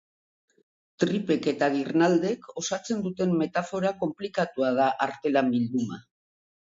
Tripek eta girnaldek osatzen duten metafora konplikatua da artelan bilduma.